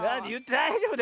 だいじょうぶだよ。